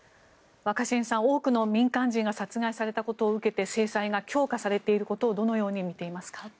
若新さん、多くの民間人が殺害されたことを受けて制裁が強化されていることをどのように見ていますか？